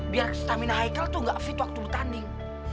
biar stamina haicle tuh gak fit waktu bertanding